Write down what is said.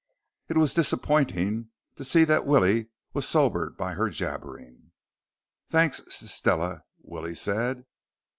It was disappointing to see that Willie was sobered by her jabbering. "Thanks, S Stella," Willie said.